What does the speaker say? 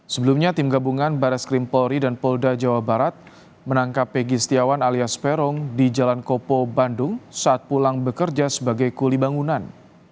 sebelumnya tim gabungan bares krim polri dan polda jawa barat menangkap egy setiawan alias peron di jalan kopo bandung saat pulang bekerja sebagai kuli bangunan